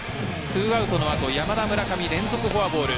２アウトの後山田、村上、連続フォアボール。